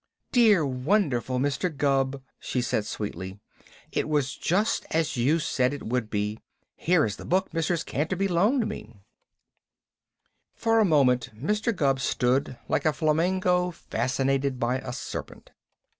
"Dear, wonderful Mr. Gubb!" she said sweetly. "It was just as you said it would be. Here is the book Mrs. Canterby loaned me." For a moment Mr. Gubb stood like a flamingo fascinated by a serpent.